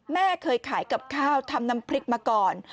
แม่เคยขายกับข้าวทำน้ำพริกมาก่อน